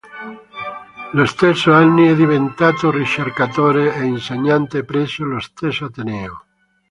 Lo stesso anni è diventato ricercatore e insegnante presso lo stesso ateneo.